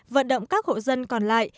vận động các hộ dân còn lại